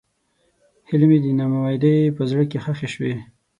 هیلې مې د نا امیدۍ په زړه کې ښخې شوې.